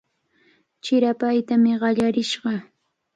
Chirapaytami qallarishqa.